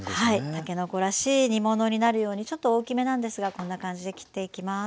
たけのこらしい煮物になるようにちょっと大きめなんですがこんな感じで切っていきます。